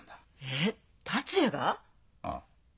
えっ達也が？ああ。